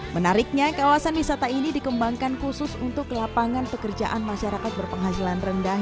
menariknya kawasan wisata ini dikembangkan khusus untuk lapangan pekerjaan masyarakat berpenghasilan rendah